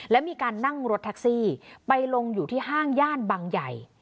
และมีการนั่งรถแท็กซี่ไปลงอยู่ที่ห้างย่านบางใหญ่